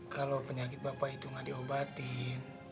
kalau penyakit bapak itu nggak diobatin